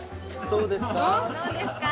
・どうですか？